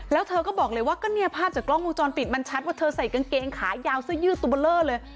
แล้วเธอก็บอกเลยว่าก็เนี่ยภาพจากกล้องวงจรปิดมันชัดว่าเธอใส่กางเกงขายาวเสื้อยืดตัวเบอร์เลอร์เลย